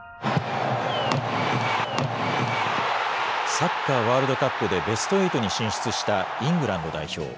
サッカーワールドカップでベスト８に進出したイングランド代表。